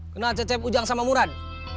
kena cecep ujang sama murad